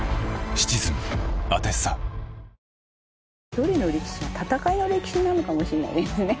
ドリの歴史は戦いの歴史なのかもしれないですね。